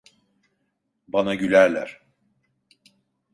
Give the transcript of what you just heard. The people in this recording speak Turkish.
Bana gülerler.